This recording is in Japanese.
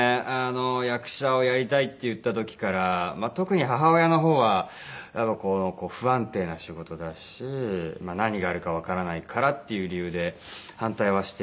役者をやりたいって言った時から特に母親の方は不安定な仕事だしまあ何があるかわからないからっていう理由で反対はしていて。